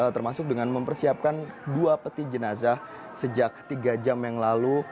termasuk dengan mempersiapkan dua peti jenazah sejak tiga jam yang lalu